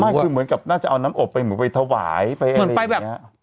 คือเหมือนกับน่าจะเอาน้ำอบไปเหมือนไปถวายไปอะไรอย่างนี้